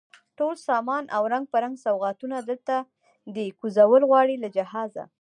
ټول سامان او رنګ په رنګ سوغاتونه، دلته دی کوزول غواړي له جهازه